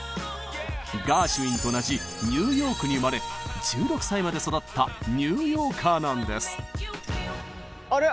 ガーシュウィンと同じニューヨークに生まれ１６歳まで育ったニューヨーカーなんです！